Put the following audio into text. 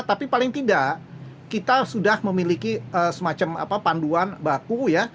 tapi paling tidak kita sudah memiliki semacam panduan baku ya